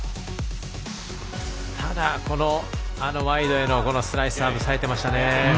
ただ、このワイドへのスライスサーブがさえてましたね。